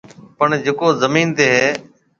پڻ جڪو زمين تي هيَ۔